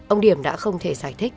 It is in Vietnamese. ông điểm đã không thể giải thích